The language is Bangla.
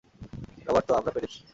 রবার্তো, আমরা পেরেছি।